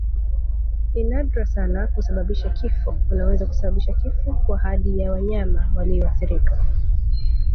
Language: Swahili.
Ni nadra sana kusababisha kifo Unaweza kusababisha kifo kwa hadi ya wanyama walioathirika